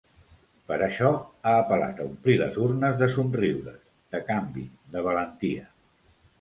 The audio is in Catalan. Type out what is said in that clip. Per això, ha apel·lat a omplir les urnes de somriures, de canvi, de valentia.